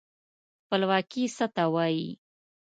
خپلواکي څه ته وايي.